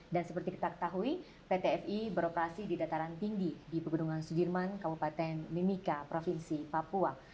dan seperti kita ketahui ptfi beroperasi di dataran tinggi di pegunungan sudirman kabupaten mimika provinsi papua